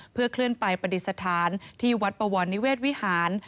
เพื่อเคลื่อนไปปฏิสถานที่วัดปวรนิเวศวิหาร